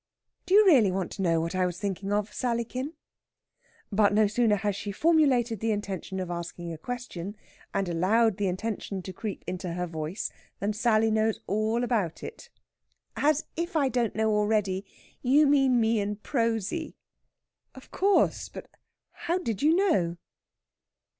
"Do you really want to know what I was thinking of, Sallykin?" But no sooner has she formulated the intention of asking a question, and allowed the intention to creep into her voice than Sally knows all about it. "As if I don't know already. You mean me and Prosy." "Of course. But how did you know?"